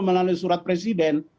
melalui surat presiden